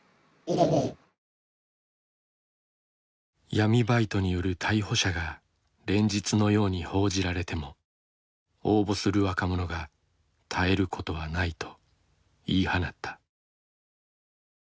闇バイトによる逮捕者が連日のように報じられても応募する若者が絶えることはないと言い放った。